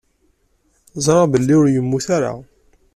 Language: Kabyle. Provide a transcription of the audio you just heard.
Ẓriɣ belli ur yemmut ara.